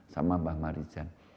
sama mbah marijan